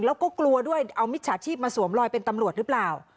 แล้วก็กลัวด้วยเอามิจฉาชีพมาสวมรอยเป็นตำรวจหรือเปล่า